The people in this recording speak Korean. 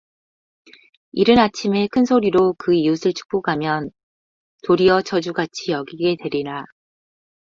이른 아침에 큰 소리로 그 이웃을 축복하면 도리어 저주 같이 여기게 되리라